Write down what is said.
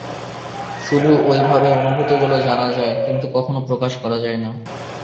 শুধু ঐভাবেই অনুভূতিগুলি জানা যায়, কিন্তু কখনও প্রকাশ করা যায় না।